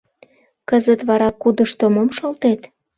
Кызыт вара кудышто мом шолтет?